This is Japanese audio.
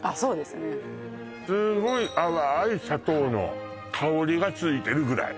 すごい淡い砂糖の香りがついてるぐらい